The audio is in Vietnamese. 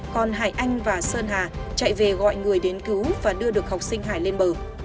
còn hải anh và sơn hà chạy về gọi người đến cứu và đưa được học sinh hải lên bờ